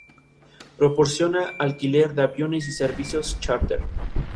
Proporciona alquiler de aviones y servicios charter.